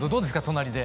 隣で。